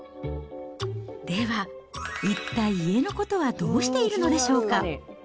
では、一体家のことはどうしているのでしょうか。